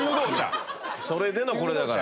それでのこれだから。